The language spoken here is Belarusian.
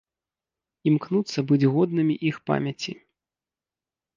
Імкнуцца быць годнымі іх памяці.